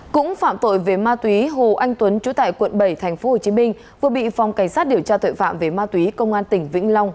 cũng phạm tội về ma túy hồ anh tuấn trú tại quận bảy tp hcm vừa bị phòng cảnh sát điều tra tội phạm về ma túy công an tỉnh vĩnh long